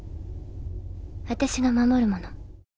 私が守るもの」